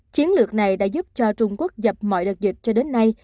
chiến lược này đã giúp cho trung quốc dập mọi đợt dịch cho đến nay